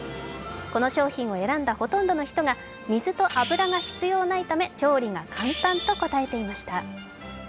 この商品を選んだほとんどの人が水と油が必要ないため調理が簡単と答えていました。